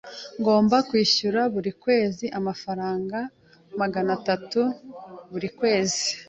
Ngomba kwishyura buri kwezi amafaranga magana atatu buri umwe.